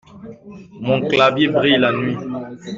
Mon clavier brille la nuit.